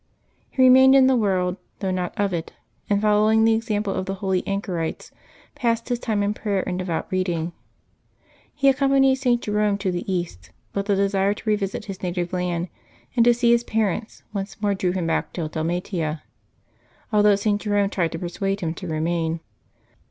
He remained in the world, though not of it, and, following the example of the holy anchorites, passed his time in prayer and devout reading. He accom panied St. Jerome to the East, but the desire to revisit his native land, and to see his parents once more, drew him back to Dalmatia, although St. Jerome tried to persuade him to remain.